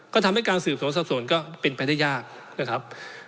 ก็ทำให้การสืบสวนสัดส่วนก็เป็นไปได้ยากนะครับ